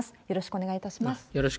よろしくお願いします。